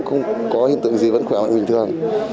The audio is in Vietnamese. không có hiện tượng gì vẫn khỏe mạnh bình thường